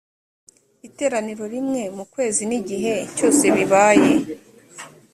iterana rimwe mu kwezi n igihe cyose bibaye.